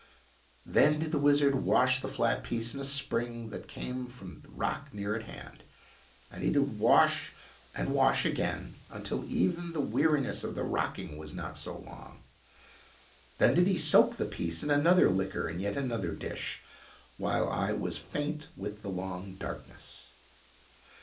o Then diet the wizard wash the flat piece in a spring that came from the rock near at hand, and he did wash and wash again, until even the weariness of the rocking was not so long. Then did he soak the piece in another liquor in yet another dish, while I was faint with the long darkness.